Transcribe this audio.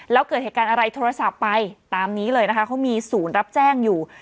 แล้วเกิดเหตุการณ์อะไรโทรศัพท์ไปตามนี้เลยนะคะเขามีศูนย์รับแจ้งอยู่